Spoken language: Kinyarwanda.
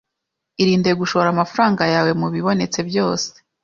Irinde gushora amafaranga yawe mu bibonetse byose